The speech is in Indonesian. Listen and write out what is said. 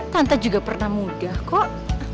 tante juga pernah mudah kok